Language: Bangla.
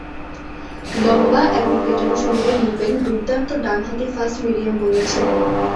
লম্বা এবং পেটানো শরীরের নুপেন দুর্দান্ত ডানহাতি ফাস্ট মিডিয়াম বোলার ছিলেন।